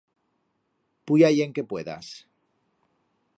Puya-ie en que puedas.